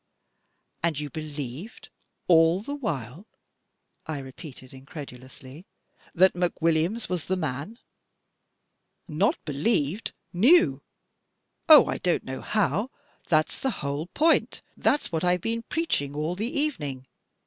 "And you believed all the while," I repeated, incredidously, "that McWilliams was the man?" "Not believed; knew. Oh, I don't know how. That's the whole point. That's what I've been preaching all the evening.